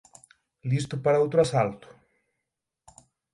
Listo para outro asalto?